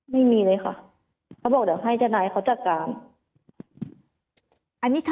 ไม่มีเลยค่ะเขาบอกเดี๋ยวให้เจ้านายเขาจัดการ